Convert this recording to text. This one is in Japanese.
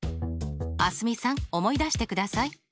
蒼澄さん思い出してください。